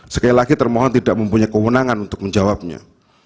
sekali lagi termohon tidak mempunyai kewenangan untuk menjawabnya